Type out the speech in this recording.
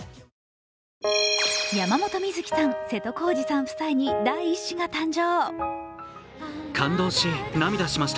山本美月さん、瀬戸康史さん夫妻に第１子が誕生。